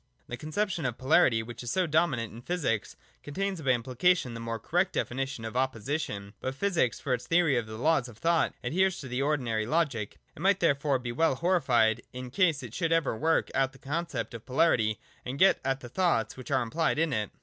The conception of Polarity, which is so dominant in physics, contains by implication the more correct defini tion of Opposition. But physics for its theory of the laws of thought adheres to the ordinary logic ; it might therefore well be horrified in case it should ever work 222 THE DOCTRINE OF ESSENCE. [ng out the conception of Polarity, and get at the thoughts whiqh are impHed in it.